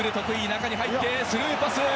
中に入ってスルーパス。